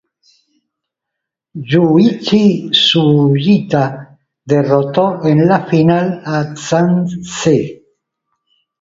Yūichi Sugita derrotó en la final a Zhang Ze.